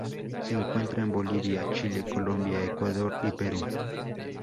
Se encuentra en Bolivia, Chile, Colombia, Ecuador, y Perú.